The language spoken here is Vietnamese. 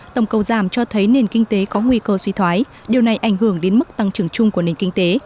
tổng cầu giảm cho thấy nền kinh tế có nguy cơ suy thoái điều này ảnh hưởng đến mức tăng trưởng chung của nền kinh tế